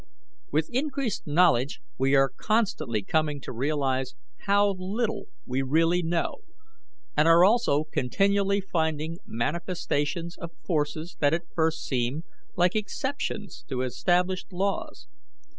"With increased knowledge we are constantly coming to realize how little we really know, and are also continually finding manifestations of forces that at first seem like exceptions to established laws.